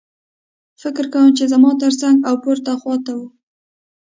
فکر کوم چې زما ترڅنګ او پورته خوا ته وو